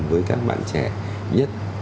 với các bạn trẻ nhất